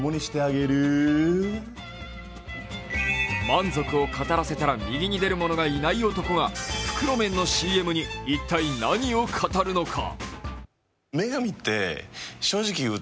満足を語らせたら右に出るものがいない男が袋麺のＣＭに一体何を語るのか。